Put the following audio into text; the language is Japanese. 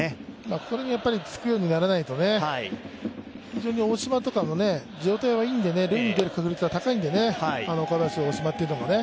ここもやっぱりつつくようにならないとね大島とかの状態はいいんで塁に出る確率は高いんで、岡林、大島がというのがね。